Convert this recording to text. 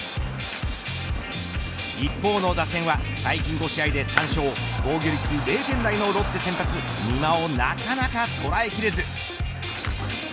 一方の打線は最近５試合で３勝防御率０点台のロッテ先発美馬をなかなか捉えきれず。